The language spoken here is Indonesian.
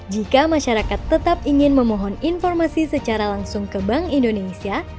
jika masyarakat tetap ingin memohon informasi secara langsung ke bank indonesia